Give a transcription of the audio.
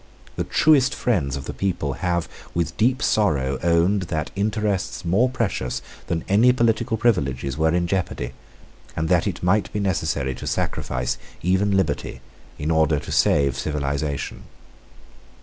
The truest friends of the people have with deep sorrow owned that interests more precious than any political privileges were in jeopardy, and that it might be necessary to sacrifice even liberty in order to save civilisation.